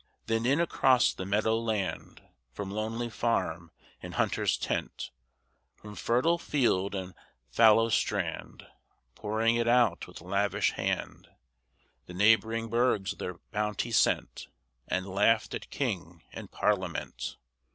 Then in across the meadow land, From lonely farm and hunter's tent, From fertile field and fallow strand, Pouring it out with lavish hand, The neighboring burghs their bounty sent, And laughed at King and Parliament.